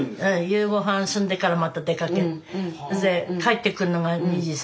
夕御飯済んでからまた出かけてそれで帰ってくるのが２時３時。